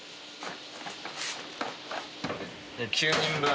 ９人分。